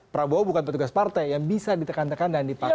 prabowo bukan petugas partai yang bisa ditekan tekan dan dipakai